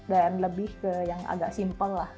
dan lebih ke yang agak simpel lah